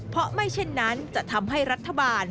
เพราะไม่เช่นนั้นจะทำให้รัฐบาล